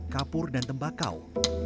kapur dan tembakau